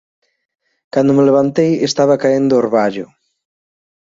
Cando me levantei estaba caendo orballo